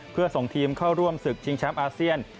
เพื่อส่งทีมเข้าร่วมศึกชิงแชมป์อาเซียน